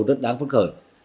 rất đáng phấn khởi